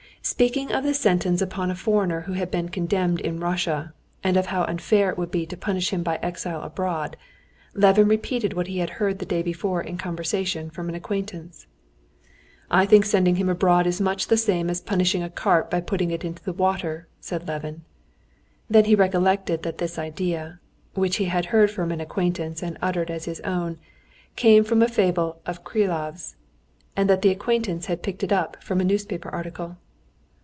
Speaking of the sentence upon a foreigner who had been condemned in Russia, and of how unfair it would be to punish him by exile abroad, Levin repeated what he had heard the day before in conversation from an acquaintance. "I think sending him abroad is much the same as punishing a carp by putting it into the water," said Levin. Then he recollected that this idea, which he had heard from an acquaintance and uttered as his own, came from a fable of Krilov's, and that the acquaintance had picked it up from a newspaper article.